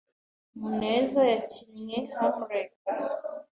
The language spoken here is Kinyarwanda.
Muneza yakinnye Hamlet.